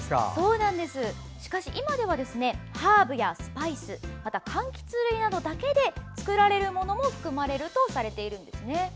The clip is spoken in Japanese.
しかし今では、ハーブやスパイスかんきつ類などだけで作られるものも含まれるとされています。